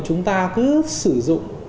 chúng ta cứ sử dụng